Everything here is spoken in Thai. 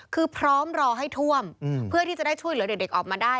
คือพร้อมรอให้ท่วมเพื่อที่จะได้ช่วยเหลือเด็กออกมาได้